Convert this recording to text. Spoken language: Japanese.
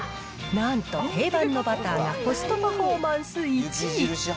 なんと、定番のバターがコストパフォーマンス１位。